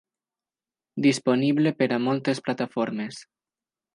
Disponible per a moltes plataformes.